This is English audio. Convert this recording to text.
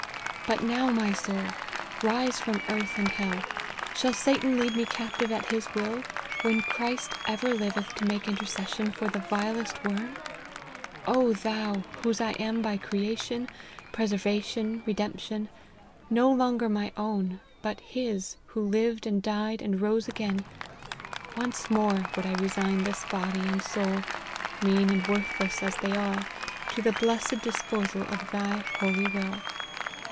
But now my soul ! rise from earth and hell, shall Satan lead me captive at his will, when Christ ever liveth to make intercession for the vilest worm ? O thou ! whose I am by creation, preservation, redemption, no longer my own, but, his who lived and died and rose again, once more would I resign this body and soul, mean and worthless as they are, to the blessed disposal of thy holy will